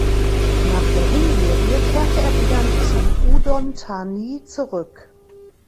Nach der Hinserie kehrte er wieder zu Udon Thani zurück.